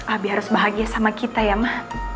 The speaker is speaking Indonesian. abi harus bahagia sama kita ya mah